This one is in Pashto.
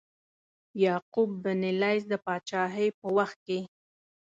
یعقوب بن لیث د پاچهۍ په وخت کې.